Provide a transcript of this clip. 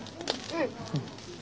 うん。